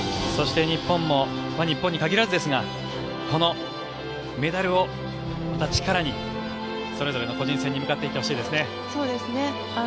そして、日本も日本に限らずですがこのメダルをまた力にそれぞれの個人戦に向かっていってほしいですね。